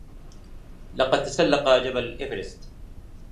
لقد تسلق جبل ايفرست.